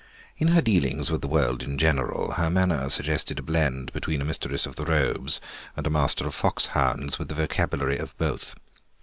In her dealings with the world in general her manner suggested a blend between a Mistress of the Robes and a Master of Foxhounds, with the vocabulary of both.